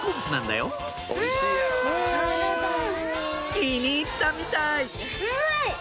気に入ったみたい！